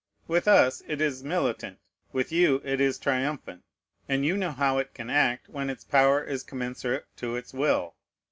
With us it is militant, with you it is triumphant; and you know how it can act, when its power is commensurate to its will.